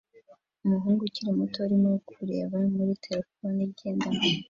Umuhungu ukiri muto arimo kureba muri terefone igendanwa